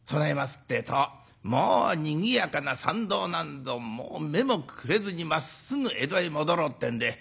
ってえともうにぎやかな参道なんぞもう目もくれずにまっすぐ江戸へ戻ろうってんで。